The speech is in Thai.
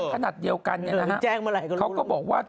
ถ้าขนาดเดียวกันเนี่ยนะฮะเขาก็บอกว่า